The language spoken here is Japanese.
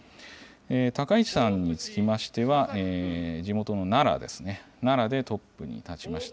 高市さんにつきましては、地元の奈良ですね、奈良でトップに立ちました。